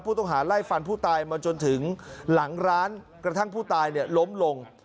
ต้องไล่ฟันผู้ตายมาจนถึงหลังร้านกระทั่งผู้ตายล้มลง